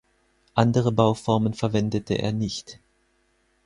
Andere Bauformen verwendete er nicht.